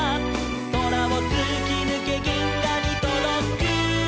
「そらをつきぬけぎんがにとどく」